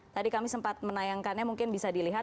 tadi kami sempat menayangkannya mungkin bisa dilihat